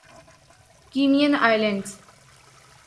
Cayman islands